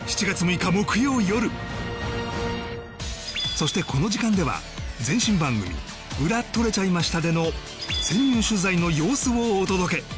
そしてこの時間では前身番組『ウラ撮れちゃいました』での潜入取材の様子をお届け